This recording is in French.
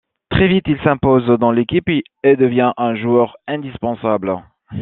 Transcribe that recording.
Très vite il s'impose dans l'équipe et devient un joueur indispensable.